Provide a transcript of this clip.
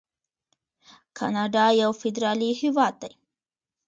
کاناډا یو فدرالي هیواد دی.